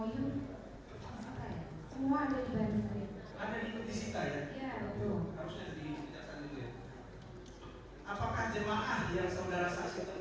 first reform boleh dipergunakan data video foto rekaman apapun untuk pentingkan usaha mereka